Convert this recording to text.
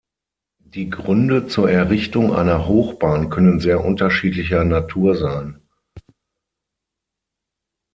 Die Gründe zur Errichtung einer Hochbahn können sehr unterschiedlicher Natur sein.